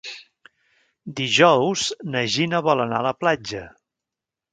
Dijous na Gina vol anar a la platja.